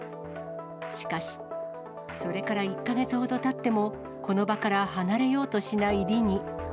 しかし、それから１か月ほどたっても、この場から離れようとしないリニ。